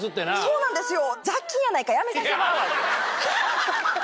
そうなんですよ。